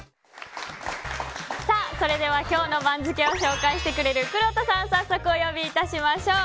それでは今日の番付を紹介してくれるくろうとさんを早速お呼び致しましょう。